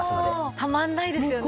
たまんないですよね。